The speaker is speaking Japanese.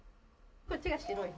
こっちが白い方。